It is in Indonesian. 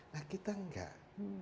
nah kita enggak